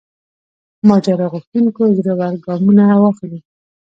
ماجرا غوښتونکو زړه ور ګامونه واخلي.